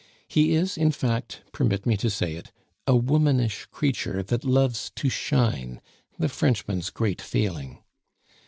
He is, in fact permit me to say it a womanish creature that loves to shine, the Frenchman's great failing.